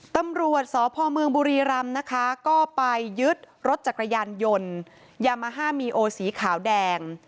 ตำรวจสพบุรีรำไปยึดรถจักรยานยนต์ยามาฮ่ามีโอสีขาวแดง